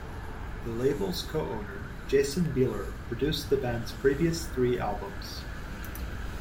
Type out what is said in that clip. The label's co-owner, Jason Bieler, produced the band's previous three albums.